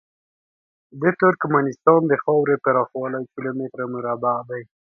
د ترکمنستان د خاورې پراخوالی کیلو متره مربع دی.